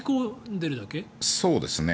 そうですね。